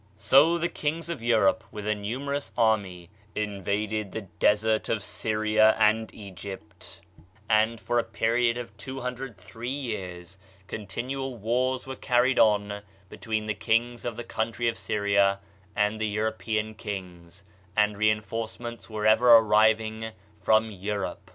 So the kings of Europe with a numerous army invaded the desert of Syria and Egypt, and for a period of 203 years continual wars were car ried on between the kings of the country of Syria and the European kings, and reinforce ments were ever arriving from Europe.